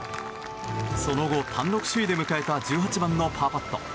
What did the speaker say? その後単独首位で迎えた１８番のパーパット。